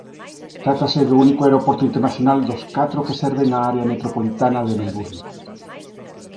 Trátase do único aeroporto internacional dos catro que serven a área metropolitana de Melbourne.